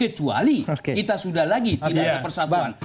kecuali kita sudah lagi tidak ada persatuan